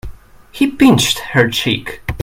He pinched her cheek.